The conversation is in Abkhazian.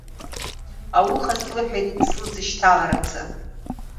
Ауха слыҳәеит слыцшьҭаларацы…